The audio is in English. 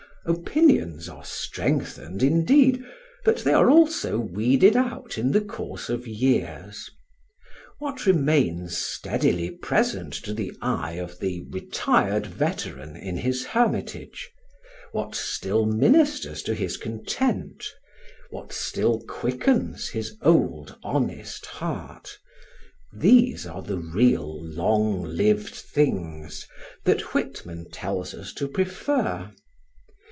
Opinions are strengthened, indeed, but they are also weeded out in the course of years. What remains steadily present to the eye of the retired veteran in his hermitage, what still ministers to his content, what still quickens his old honest heart these are "the real long lived things" that Whitman tells us to prefer.